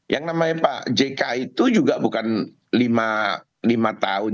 yang namanya pak jk itu juga bukan lima tahun